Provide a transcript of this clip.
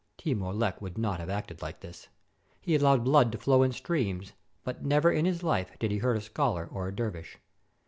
Timur Lenk would not have acted like this. He al lowed blood to flow in streams, but never in his life did he hurt a scholar or a dervish.